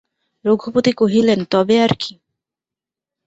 রঘুপতি কহিলেন, তবে আর কী।